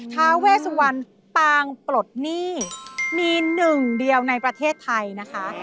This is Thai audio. ทาเวสวรตางปลดหนี้มี๑เดียวในประเทศไทยนะคะ